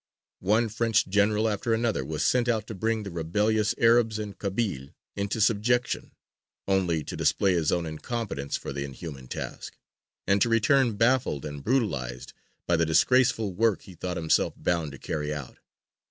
One French general after another was sent out to bring the rebellious Arabs and Kabyles into subjection, only to display his own incompetence for the inhuman task, and to return baffled and brutalized by the disgraceful work he thought himself bound to carry out.